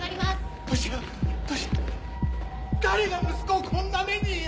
誰が息子をこんな目に！